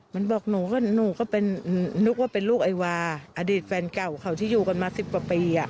มันบอกหนูก็เป็นนึกว่าเป็นลูกไอวาอดีตแฟนเก่าเขาที่อยู่กันมา๑๐กว่าปี